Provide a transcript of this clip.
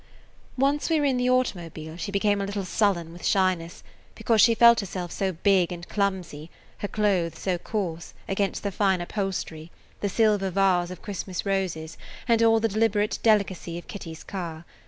Once we were in the automobile, she became a little sullen with shyness, because she felt herself so big and clumsy, her clothes so coarse, against the fine upholstery, the silver vase of Christmas roses, and all the deliberate delicacy of Kitty's car.